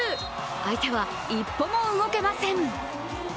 相手は一歩も動けません。